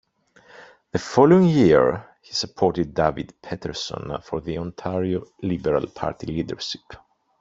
The following year, he supported David Peterson for the Ontario Liberal Party leadership.